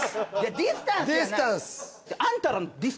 ディスタンス。